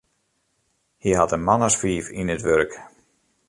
Hy hat in man as fiif yn it wurk.